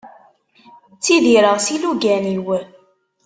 Ttidireɣ s yilugan-iw.